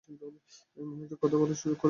মহিলাদের কথা বলার সুযোগ করে দিতে।